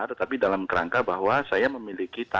tetapi dalam kerangka bahwa saya memiliki